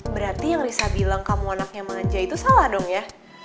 berarti yang risa bilang kamu anaknya manja itu salah dong ya